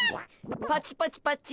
パチパチパチ。